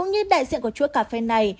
cũng như đại diện của chúa cà phê này